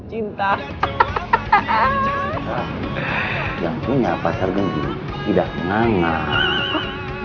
cinta yang punya pasar genjing tidak nganap